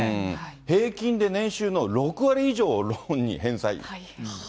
平均で年収の６割以上をローンに返済。